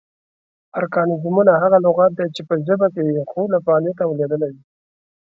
ارکانیزمونه: هغه لغات دي چې پۀ ژبه کې وي خو لۀ فعالیت لویدلي وي